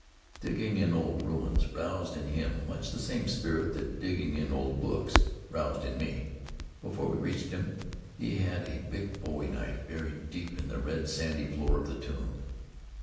Digging in old ruins roused in him much the same spirit that digging in old books roused in me. Before we reached him, he had a big bowie knife buried deep in the red, sandy floor of the tomb.